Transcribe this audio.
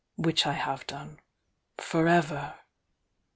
Which Ihave done. For ever!"